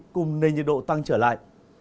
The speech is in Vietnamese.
cùng nền nhiệt độ tăng trở lại